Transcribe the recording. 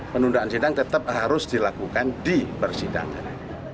penundaan sidang tetap harus dilakukan di persidangan